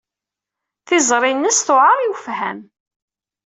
Tiẓri-nnes tewɛeṛ i wefham.